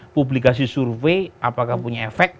publikasi survei apakah punya efek